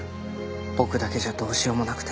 僕だけじゃどうしようもなくて。